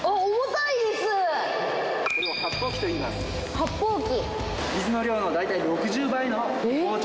発泡器。